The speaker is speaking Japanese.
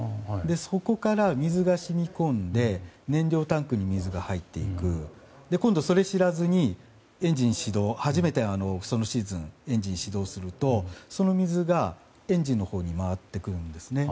そこから、水が染み込んで燃料タンクに水が入り今度はそれを知らずに初めてそのシーズンにエンジンを始動するとその水がエンジンのほうに回ってくるんですね。